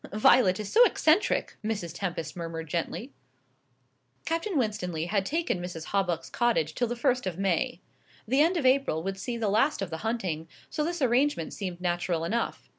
"Violet is so eccentric!" Mrs. Tempest murmured gently. Captain Winstanley had taken Mrs. Hawbuck's cottage till the first of May. The end of April would see the last of the hunting, so this arrangement seemed natural enough.